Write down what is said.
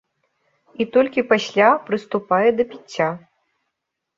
І толькі пасля прыступае да піцця.